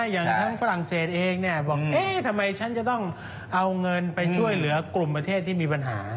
อย่างทั้งฝรั่งเศสเองบอกเอ๊ะทำไมฉันจะต้องเอาเงินไปช่วยเหลือกลุ่มประเทศที่มีปัญหา